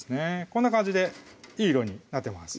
こんな感じでいい色になってます